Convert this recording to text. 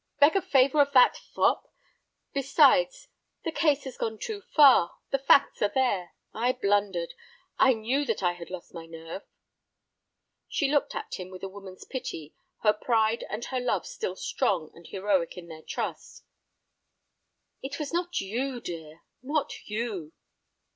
"Beg a favor of that fop! Besides, the case has gone too far. The facts are there. I blundered. I knew that I had lost my nerve." She looked at him with a woman's pity, her pride and her love still strong and heroic in their trust. "It was not you, dear—not you."